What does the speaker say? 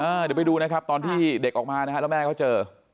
เดี๋ยวไปดูนะครับตอนที่เด็กออกมานะฮะแล้วแม่เขาเจอ